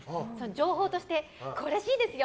情報としてこうらしいですよ！